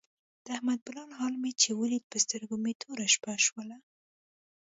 د احمد بدل حال مې چې ولید په سترګو مې توره شپه شوله.